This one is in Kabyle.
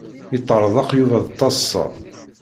Yeṭṭeṛḍeq Yuba d taḍsa.